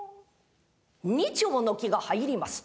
２丁の柝が入ります。